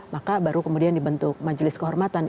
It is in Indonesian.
maka baru kemudian dibentuk majelis kehormatan